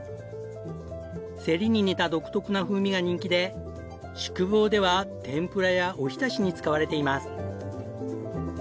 セリに似た独特な風味が人気で宿坊では天ぷらやおひたしに使われています。